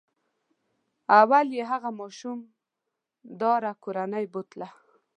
اول یې هغه ماشوم داره کورنۍ بوتله.